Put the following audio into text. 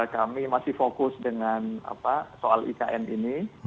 kami masih fokus dengan soal ikn ini